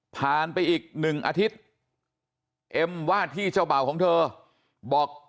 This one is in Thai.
ไปอีกหนึ่งอาทิตย์เอ็มว่าที่เจ้าเบ่าของเธอบอก